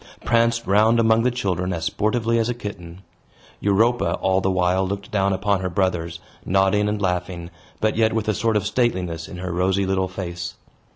pranced round among the children as sportively as a kitten. Europa all the while looked down upon her brothers, nodding and laughing, but yet with a sort of stateliness in her rosy little face.